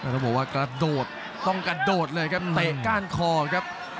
ต้องบอกว่ากระโดดต้องกระโดดเลยครับเตะก้านคอครับ